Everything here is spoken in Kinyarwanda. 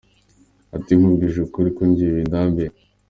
ati, Nkubwije ukuri ko njye bindambiye.